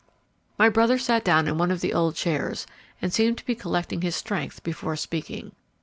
My brother sat down in one of the old chairs, and seemed to be collecting his strength before speaking.